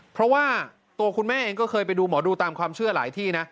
เพราะว่าตัวคุณแม่เองก็เคยไปดูหมอดูตามความเชื่อหลายที่นะ